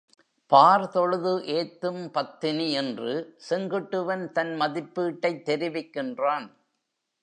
பார்தொழுது ஏத்தும் பத்தினி என்று செங்குட்டுவன் தன் மதிப்பீட்டைத் தெரிவிக்கின்றான்.